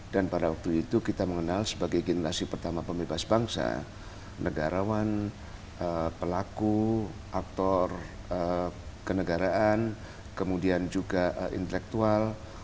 dan pada waktu itu kita mengenal sebagai generasi pertama pembebas bangsa negarawan pelaku aktor kenegaraan kemudian juga intelektual